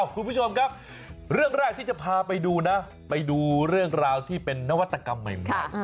คุณผู้ชมเรื่องแรกที่ก็จะพาไปดูนะเรื่องราวที่เป็นนวัตกรรมใหม่มาก